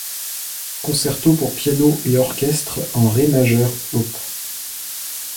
Concerto pour piano et orchestre en ré majeur op.